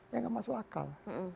ya gak masuk akal